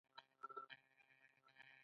موږ یې په عزت په یو ځانګړي ځای کې کېنولو.